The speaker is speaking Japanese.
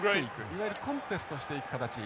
いわゆるコンテストしていく形。